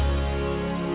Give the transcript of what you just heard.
bang baru bang